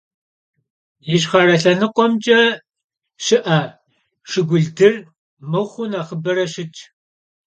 Yişxhere lhenıkhuemç'e şı'e şşıkhuldır mıxhuu nexhıbere şıtş.